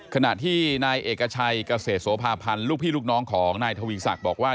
ขณะที่นายเอกชัยเกษตรโสภาพันธ์ลูกพี่ลูกน้องของนายทวีศักดิ์บอกว่า